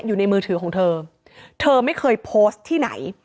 อยู่ในมือถือของเธอเธอไม่เคยโพสต์ที่ไหน